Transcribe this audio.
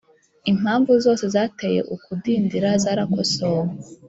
Impamvu zose zateye ukudindira zarakosowe